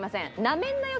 なめんなよ